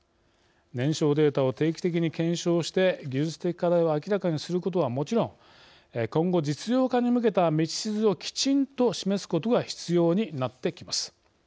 燃焼データを定期的に検証して技術的課題を明らかにすることはもちろん今後、実用化に向けた道筋をきちんと示すことが必要になってきます。